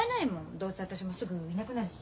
どうせ私もすぐいなくなるし。